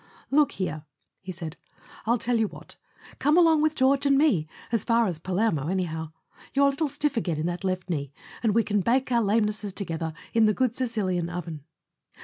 "Look here/' he said, "I'll tell you what. Come along with George and me—as far as Palermo, any¬ how. You're a little stiff again in that left knee, and we can bake our lamenesses together in the good Sicilian oven."